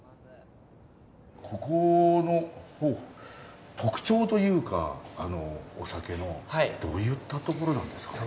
ここの特徴というかお酒のどういったところなんですかね？